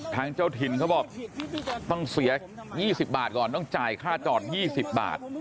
เจ้าถิ่นเขาบอกต้องเสีย๒๐บาทก่อนต้องจ่ายค่าจอด๒๐บาท